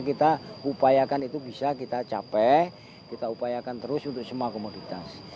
kita upayakan itu bisa kita capai kita upayakan terus untuk semua komoditas